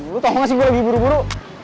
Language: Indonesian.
lo tau gak sih gue lagi buru buru